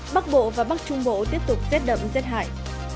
bắc bộ và bắc trung bộ tiếp tục giết đậm giết hại